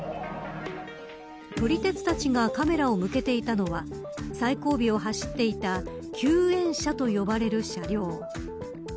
撮り鉄たちがカメラを向けていたのは最後尾を走っていた救援車と呼ばれる車両。